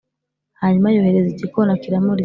Hanyuma yohereza igikona kiramurya